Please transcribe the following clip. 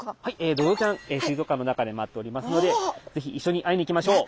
ドジョウちゃん水族館の中で待っておりますので是非一緒に会いに行きましょう。